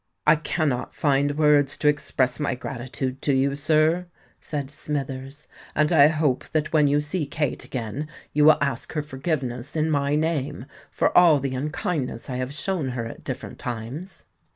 "I cannot find words to express my gratitude to you, sir," said Smithers; "and I hope that when you see Kate again, you will ask her forgiveness in my name for all the unkindness I have shown her at different times."